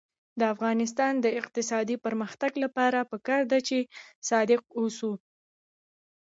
د افغانستان د اقتصادي پرمختګ لپاره پکار ده چې صادق اوسو.